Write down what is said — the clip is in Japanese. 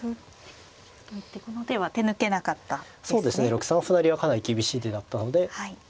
６三歩成はかなり厳しい手だったので。